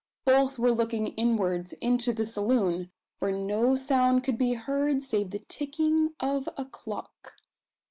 Both were looking inwards into the saloon, where no sound could be heard save the ticking of a clock.